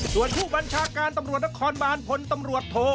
ส่วนผู้บัญชาการตำรวจนครบานพลตำรวจโท